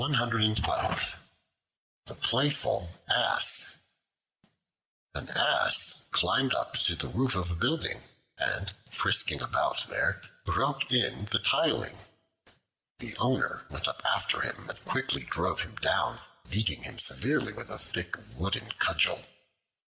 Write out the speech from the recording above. The Playful Ass AN ASS climbed up to the roof of a building, and frisking about there, broke in the tiling. The owner went up after him and quickly drove him down, beating him severely with a thick wooden cudgel.